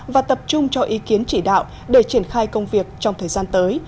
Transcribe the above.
và tập trung cho ý kiến chỉ đạo để triển khai công việc trong thời gian tới